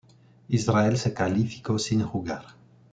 Israel se calificó sin jugar.